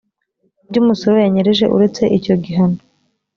by umusoro yanyereje uretse icyo gihano